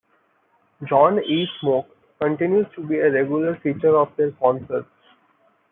"John E. Smoke" continues to be a regular feature of their concerts.